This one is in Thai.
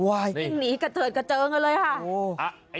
วิ่งหนีกระเจิดกระเจิงกันเลยค่ะ